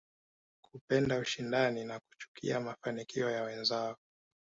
Kupenda ushindani na kuchukia mafanikio ya wenzao